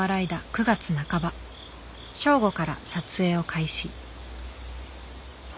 ９月半ば正午から撮影を開始。